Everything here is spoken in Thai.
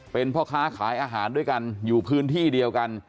เป็นพ่อค้าขายอาหารด้วยกันอยู่พื้นที่เดียวกัน